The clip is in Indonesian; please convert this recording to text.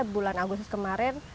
bulan agustus kemarin